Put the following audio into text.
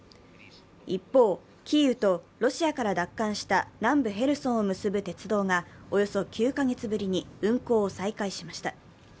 一方、キーウとロシアから奪還した南部ヘルソンを結ぶ鉄道がおよそ９か月ぶりに運行を再会しました。